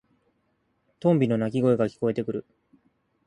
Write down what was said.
トンビの鳴き声が聞こえてくる。